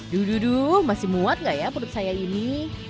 duh duduh masih muat gak ya perut saya ini